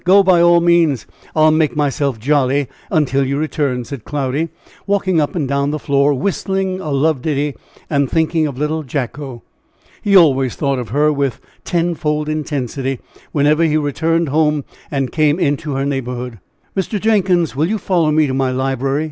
Go, by all means. I will make myself jolly until you return," said Cloudy, walking up and down the floor whistling a love ditty, and thinking of little Jacko. He always thought of her with tenfold intensity whenever he returned home and came into her neighborhood. "Mr. Jenkins, will you follow me to my library?"